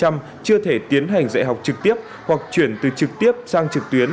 các trường có thể tiến hành dạy học trực tiếp hoặc chuyển từ trực tiếp sang trực tuyến